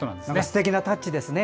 すてきなタッチですね